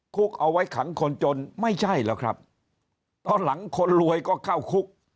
คุกเอาไว้ขังคนจนไม่ใช่หรอกครับตอนหลังคนรวยก็เข้าคุก